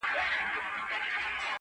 ستا وه ځوانۍ ته دي لوگى سمه زه _